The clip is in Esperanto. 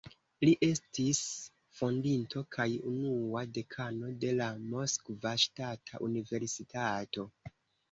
Li estis fondinto kaj unua dekano de la Moskva Ŝtata Universitato.